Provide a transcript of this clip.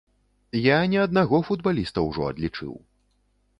Я не аднаго футбаліста ўжо адлічыў.